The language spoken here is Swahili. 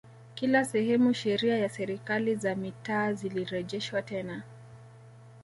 Kila sehemu sheria ya serikali za Mitaa zilirejeshwa tena